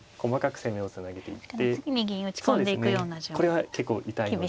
これは結構痛いので。